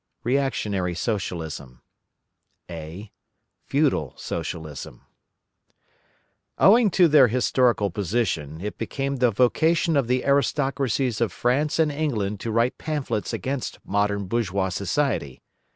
REACTIONARY SOCIALISM A. Feudal Socialism Owing to their historical position, it became the vocation of the aristocracies of France and England to write pamphlets against modern bourgeois society.